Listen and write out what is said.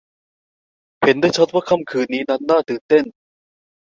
เห็นได้ชัดว่าค่ำคืนนี้นั้นน่าตื่นเต้น